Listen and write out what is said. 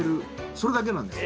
それだけなんです。